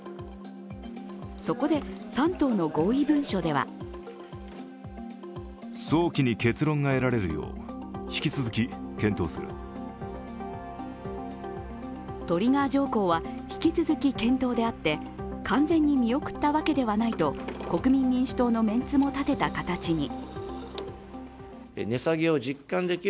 そこで３党の合意文書ではトリガー条項は引き続き検討であって完全に見送ったわけではないと国民民主党のメンツも立てた形に。